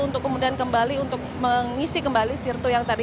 untuk kemudian kembali untuk mengisi kembali sirto yang tadi